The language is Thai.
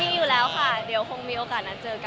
มีอยู่แล้วค่ะเดี๋ยวคงมีโอกาสนัดเจอกัน